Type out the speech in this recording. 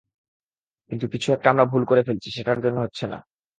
কিন্তু কিছু একটা আমরা ভুল করে ফেলছি, সেটার জন্য হচ্ছে না।